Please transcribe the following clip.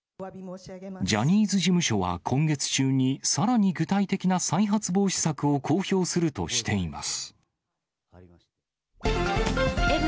ジャニーズ事務所は今月中に、さらに具体的な再発防止策を公表するとしています。